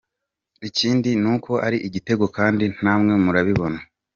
Ikindi ni uko ari igitego kandi namwe murabibona.